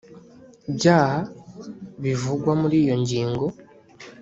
byaha bivugwa muri iyo ngingo